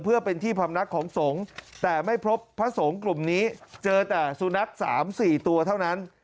เพื่อเป็นที่พำนักของสงฆ์แต่ไม่พบพระสงฆ์กลุ่มนี้เจอแต่สุนัข๓๔ตัวเท่านั้น